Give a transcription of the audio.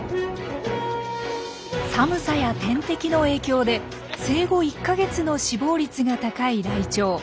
寒さや天敵の影響で生後１か月の死亡率が高いライチョウ。